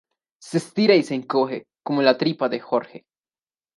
Se estira y se encoge, como la tripa de Jorge